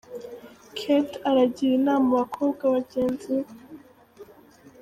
Kate aragira inama abakobwa bagenzi be.